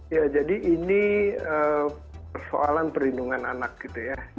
ya jadi ini persoalan perlindungan anak gitu ya